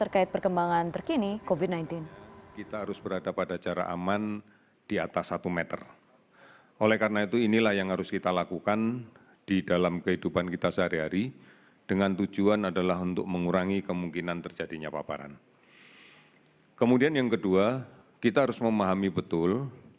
kemudian yang kedua kita harus memahami betul